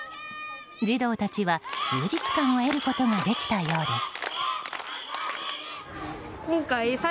児童たちは充実感を得ることができたようです。